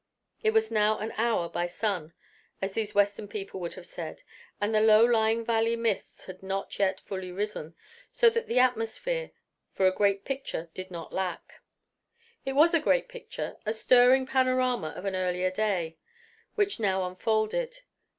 It was now an hour by sun, as these Western people would have said, and the low lying valley mists had not yet fully risen, so that the atmosphere for a great picture did not lack. It was a great picture, a stirring panorama of an earlier day, which now unfolded.